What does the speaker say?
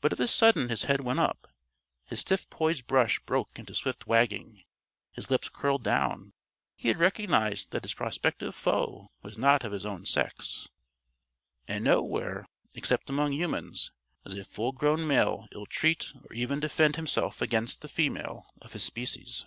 But of a sudden his head went up; his stiff poised brush broke into swift wagging; his lips curled down. He had recognized that his prospective foe was not of his own sex. (And nowhere, except among humans, does a full grown male ill treat or even defend himself against the female of his species.)